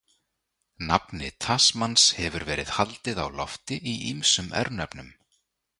Nafni Tasmans hefur verið haldið á lofti í ýmsum örnefnum.